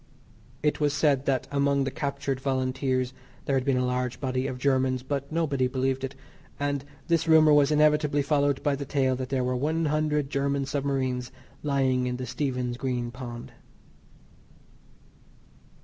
It was said that among the captured Volunteers there had been a large body of Germans, but nobody believed it; and this rumour was inevitably followed by the tale that there were one hundred German submarines lying in the Stephen's Green pond.